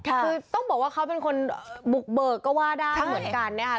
คือต้องบอกว่าเขาเป็นคนบุกเบิกก็ว่าได้เหมือนกันนะคะ